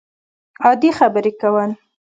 عادي خبرې کول